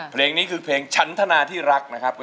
เพลงนี้คือเพลงชั้นธนาที่รักนะครับ